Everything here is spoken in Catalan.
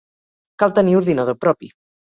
Cal tenir ordinador propi.